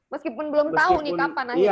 meskipun belum tahu nih kapan akhirnya